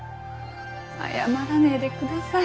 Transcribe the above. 謝らねぇでください。